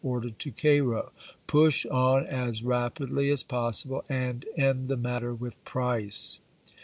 ordered to Cairo. Push on as rapidly as possible, ^ pi Jii}" and end the matter with Price."